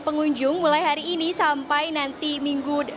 pengunjung mulai hari ini sampai nanti minggu